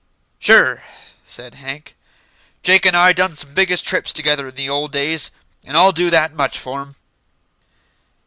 "Sure," said Hank. "Jake an' I done some biggish trips together in the old days, and I'll do that much for'm."